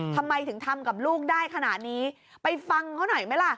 ทำไมถึงทำกับลูกได้ขนาดนี้ไปฟังเขาหน่อยไหมล่ะ